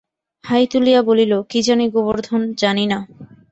High তুলিয়া বলিল, কি জানি গোবর্ধন, জানি না।